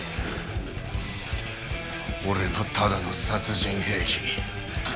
俺もただの殺人兵器。